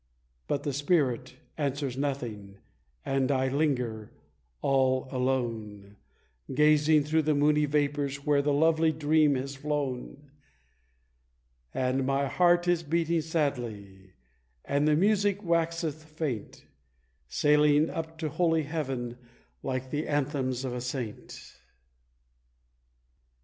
But the spirit answers nothing, and I linger all alone, Gazing through the moony vapours where the lovely Dream has flown; And my heart is beating sadly, and the music waxeth faint, Sailing up to holy Heaven, like the anthems of a Saint.